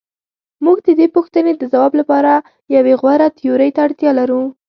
موږ د دې پوښتنې د ځواب لپاره یوې غوره تیورۍ ته اړتیا لرو.